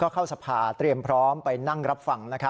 เข้าสภาเตรียมพร้อมไปนั่งรับฟัง